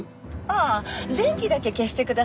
ああ電気だけ消してください。